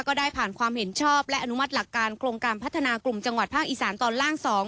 ก็ได้ผ่านความเห็นชอบและอนุมัติหลักการโครงการพัฒนากลุ่มจังหวัดภาคอีสานตอนล่าง๒